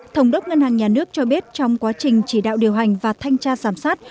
thống đốc ngân hàng nhà nước cho biết trong quá trình chỉ đạo điều hành và thanh tra giám sát